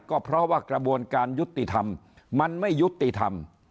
ก็เพราะว่ากระบวนการยุติธรรมมันไม่ยุติธรรม